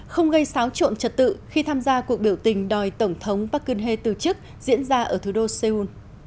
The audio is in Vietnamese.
không gây xáo trộn trật tự khi tham gia cuộc biểu tình đòi tổng thống park geun hye từ chức diễn ra ở thủ đô seoul